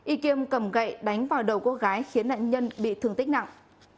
y kiêm cầm gậy đánh vào đầu cô gái khiến nạn nhân bị thương tích nặng